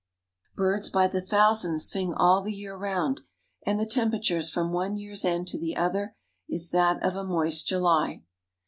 Birds by the thousands sing all the year round, and the tempera ture from one year's end to the other is that of a moist July.